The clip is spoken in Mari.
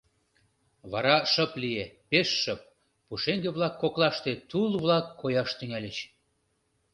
Вара шып лие, пеш шып, пушеҥге-влак коклаште тул-влак кояш тӱҥальыч.